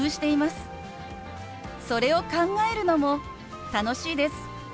それを考えるのも楽しいです。